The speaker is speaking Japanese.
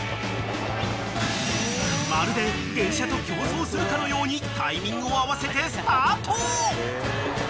［まるで電車と競走するかのようにタイミングを合わせてスタート］